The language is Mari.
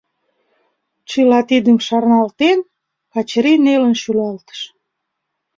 Чыла тидым шарналтен, Качырий нелын шӱлалтыш.